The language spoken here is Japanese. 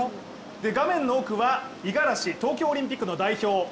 画面の奥は五十嵐、東京オリンピックの代表。